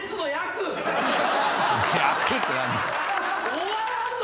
終わらんの？